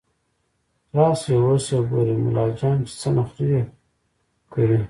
راشئ اوس يې ګورئ ملا جان چې څه نخروې کوي